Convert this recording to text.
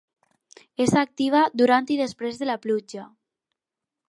És activa durant i després de la pluja.